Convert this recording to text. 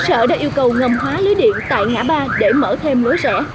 sở đồng đã yêu cầu ngầm hóa lưới điện tại ngã ba để mở thêm lối rẻ